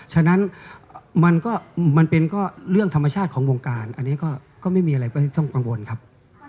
ฉะนั้นมันก็มันเป็นก็เรื่องธรรมชาติของวงการอันนี้ก็ไม่มีอะไรก็ต้องกังวลครับ